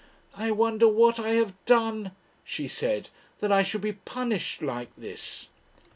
"I wonder what I have done," she said, "that I should be punished like this."